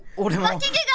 わき毛が！